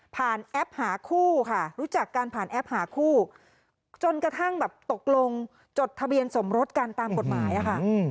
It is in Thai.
แอปหาคู่ค่ะรู้จักกันผ่านแอปหาคู่จนกระทั่งแบบตกลงจดทะเบียนสมรสกันตามกฎหมายอะค่ะ